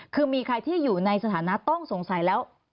คือมีใครที่อยู่ในสถานะต้องสงสัยแล้ว